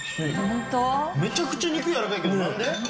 めちゃくちゃ肉やわらかいけどなんで？